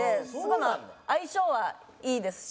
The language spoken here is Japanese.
まあ相性はいいですし。